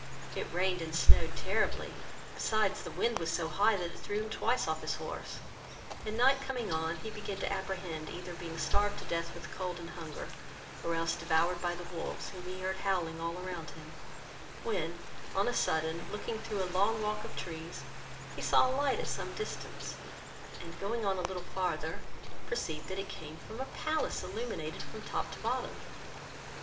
It rained and snowed terribly, besides, the wind was so high, that it threw him twice off his horse; and night coming on, he began to apprehend being either starved to death with cold and hunger, or else devoured by the wolves, whom he heard howling all around him, when, on a sudden, looking through a long walk of trees, he saw a light at some distance, and going on a little farther, perceived it came from a palace illuminated from top to bottom.